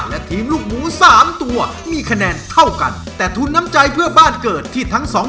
และทีมลูกหมูสามตัวมีคะแนนเท่ากันแต่ทุนน้ำใจเพื่อบ้านเกิดที่ทั้งสอง